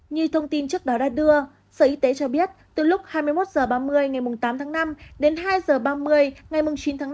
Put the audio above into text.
như thông tin trước đó đã đưa sở y tế cho biết từ lúc hai mươi một h ba mươi ngày tám tháng năm đến hai h ba mươi ngày chín tháng năm